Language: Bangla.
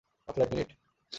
মাত্র এক মিনিট?